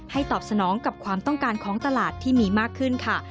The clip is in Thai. ตอบสนองกับความต้องการของตลาดที่มีมากขึ้นค่ะ